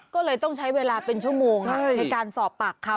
ก็เลยต้องใช้เวลาเป็นชั่วโมงในการสอบปากคำ